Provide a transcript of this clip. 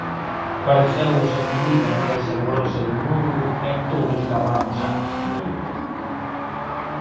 Pareceunos a comida máis saborosa do mundo e todos gabamos á cociñeira.